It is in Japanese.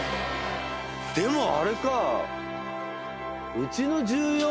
でもあれか。